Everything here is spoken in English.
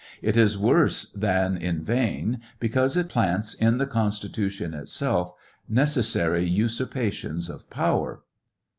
It is worse than in vain, because it plants in the Constitution itself necessary usurpations of powsr.